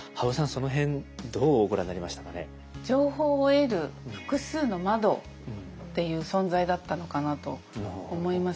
その辺どうご覧になりましたかね。っていう存在だったのかなと思います。